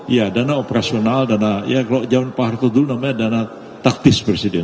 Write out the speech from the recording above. ya dana operasional dana ya kalau zaman pak harto dulu namanya dana taktis presiden